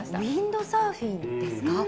ウインドサーフィンですか。